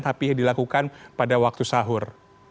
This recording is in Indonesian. tapi dilakukan pada waktu sahur